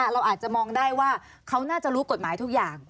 เราอาจจะมองได้ว่าเขาน่าจะรู้กฎหมายทุกอย่าง